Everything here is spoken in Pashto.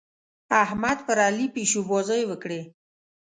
احمد پر علي پيشوبازۍ وکړې.